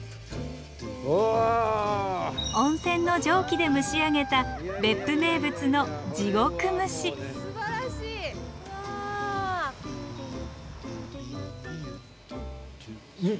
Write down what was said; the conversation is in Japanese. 温泉の蒸気で蒸し上げた別府名物のんっ！